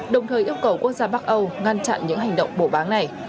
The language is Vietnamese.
đồng thời yêu cầu quốc gia bắc âu ngăn chặn những hành động bổ bán này